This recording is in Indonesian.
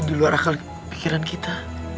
di luar akal pikiran kita